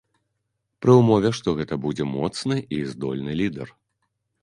Пры ўмове што гэта будзе моцны і здольны лідэр.